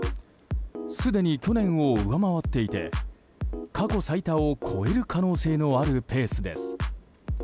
すでに去年を上回っていて過去最多を超える可能性のあるペースです。